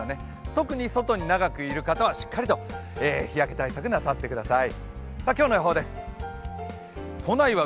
特に外に長くいる方はしっかりと日焼け対策なさってください。